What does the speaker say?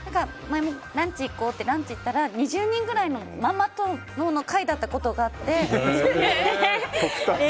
ランチ行こうってランチ行ったら、２０人くらいのママ友の会だったことがあって。